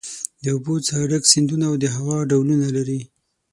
د اوبو څخه ډک سیندونه او د هوا ډولونه لري.